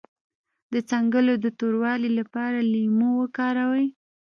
د څنګلو د توروالي لپاره لیمو وکاروئ